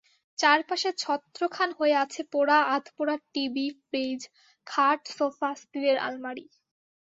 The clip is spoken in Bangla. চারপাশে ছত্রখান হয়ে আছে পোড়া আধপোড়া টিভি, ফ্রিজ, খাট, সোফা, স্টিলের আলমারি।